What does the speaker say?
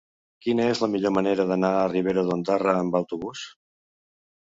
Quina és la millor manera d'anar a Ribera d'Ondara amb autobús?